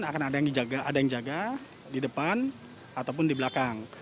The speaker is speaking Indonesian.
akan ada yang jaga di depan ataupun di belakang